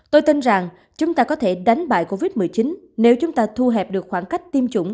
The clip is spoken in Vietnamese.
tôi tin rằng chúng ta có thể đánh bại covid một mươi chín nếu chúng ta thu hẹp được khoảng cách tiêm chủng